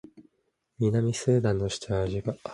南スーダンの首都はジュバである